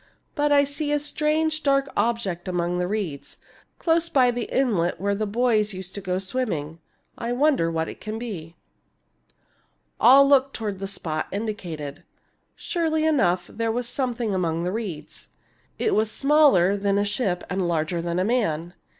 " But I see a strange, dark object among the reeds, close by the inlet where the boys used to go swimming. I wonder what it can be." 140 THIRTY MORE FAMOUS STORIES All looked toward the spot indicated. Surely enough there was something among the reeds. It was smaller than a ship and larger than a man.